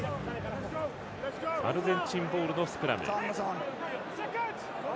アルゼンチンボールのスクラム。